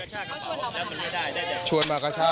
เขาชวนเรามาทำอะไรนะชวนมากัชชา